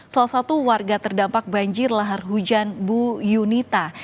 salah satu warga terdampak banjir lahar hujan bu yunita